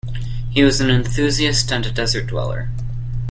He was an enthusiast and a desert dweller.